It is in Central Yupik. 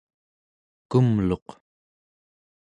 kumluq